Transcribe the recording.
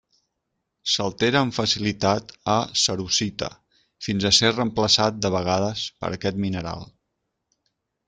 S'altera amb facilitat a cerussita, fins a ser reemplaçat de vegades per aquest mineral.